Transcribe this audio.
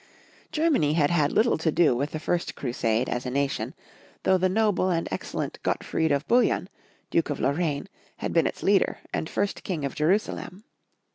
Germany had had little to do with the first cru sade as a nation, though the noble and excellent Gorttfried of Bouillon, Duke of Lorraine, had been its leader, and first King of Jerusalem.